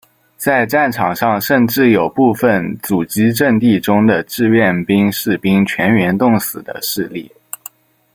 在战场上甚至有部分阻击阵地中的志愿兵士兵全员冻死的事例。